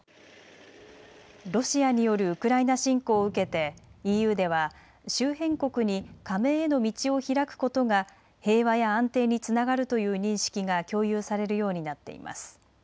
ロシアによるウクライナ侵攻を受けてＥＵでは周辺国に加盟への道を開くことが平和や安定につながるという認識が共有されるようになっています。